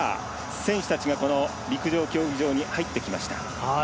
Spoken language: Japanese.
選手たちが陸上競技場に入ってきました。